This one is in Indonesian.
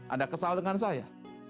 anda kesal dengan saya